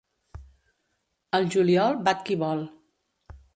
Al juliol bat qui vol.